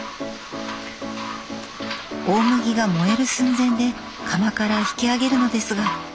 大麦が燃える寸前で釜から引き上げるのですが。